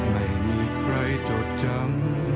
ไม่มีใครจดจำ